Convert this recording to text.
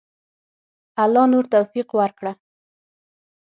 الله نور توفیق ورکړه.